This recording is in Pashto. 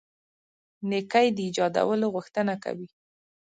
نېکۍ د ایجادولو غوښتنه کوي.